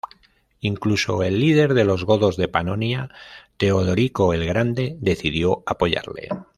Incluso el líder de los godos de Panonia, Teodorico el Grande decidió apoyarle.